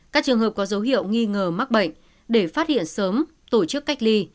các trường hợp có dấu hiệu nghi ngờ mắc bệnh để phát hiện sớm tổ chức cách ly